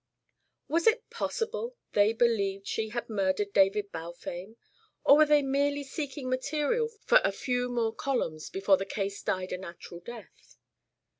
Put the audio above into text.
Was it possible they believed she had murdered David Balfame, or were they merely seeking material for a few more columns before the case died a natural death?